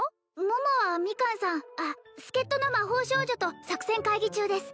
桃はミカンさんあっ助っ人の魔法少女と作戦会議中です